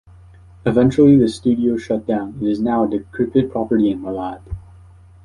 Eventually the studio shut down and is now a decrepit property in Malad.